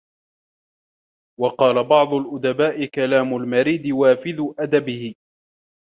وَقَالَ بَعْضُ الْأُدَبَاءِ كَلَامُ الْمَرِيدِ وَافِدُ أَدَبِهِ